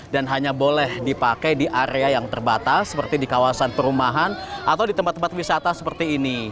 dan hanya boleh dipakai di area yang terbatas seperti di kawasan perumahan atau di tempat tempat wisata seperti ini